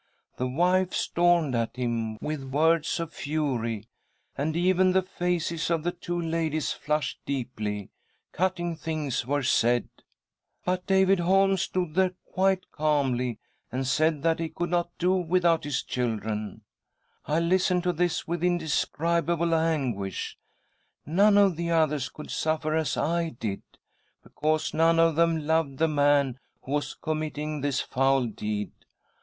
The wife stormed at him with words of fury, and even the faces, of the two ladies flushed deeply ; cutting things were said !" But David Holm stood there quite calmly, and said that he could not do without his children. I listened to this with indescribable anguish. None of the others could suffer as I did, because notfe of them loved the man who was committing this foul deed.